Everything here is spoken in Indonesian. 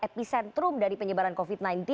epicentrum dari penyebaran covid sembilan belas